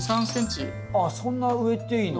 あっそんな植えていいの？